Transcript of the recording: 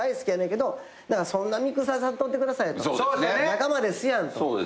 仲間ですやんと。